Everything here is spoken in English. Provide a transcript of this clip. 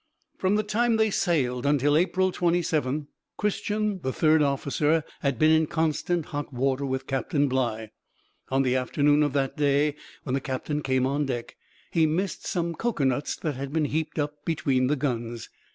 From the time they sailed until April 27, Christian, the third officer, had been in constant hot water with Captain Bligh. On the afternoon of that day, when the captain came on deck, he missed some cocoanuts that had been heaped up between the guns.